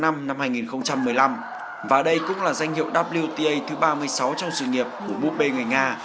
năm hai nghìn một mươi năm và đây cũng là danh hiệu wta thứ ba mươi sáu trong sự nghiệp của búp bê người nga